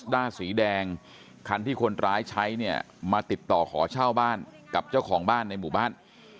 ้าสีแดงคันที่คนร้ายใช้เนี่ยมาติดต่อขอเช่าบ้านกับเจ้าของบ้านในหมู่บ้าน